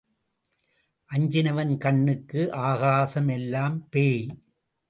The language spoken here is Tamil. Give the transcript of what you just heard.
அஞ்சினவன் கண்ணுக்கு ஆகாசம் எல்லாம் பேய்.